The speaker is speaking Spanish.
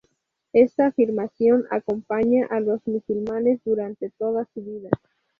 Esta afirmación acompaña a los musulmanes durante toda su vida.